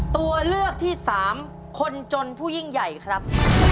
ตัวเลือกที่สามคนจนผู้ยิ่งใหญ่ครับ